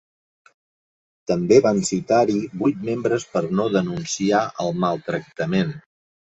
També van citar-hi vuit membres per no denunciar el maltractament.